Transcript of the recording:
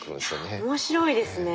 いや面白いですね。